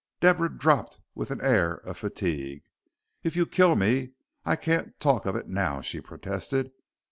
Deborah dropped with an air of fatigue. "If you kill me I can't talk of it now," she protested.